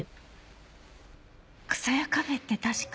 草谷カフェって確か。